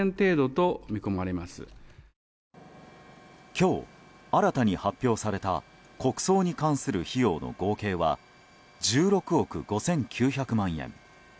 今日、新たに発表された国葬に関する費用の合計は１６億５９００万円。